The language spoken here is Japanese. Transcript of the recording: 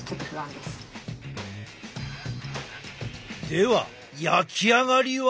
では焼き上がりは？